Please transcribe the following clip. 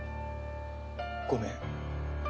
ごめん。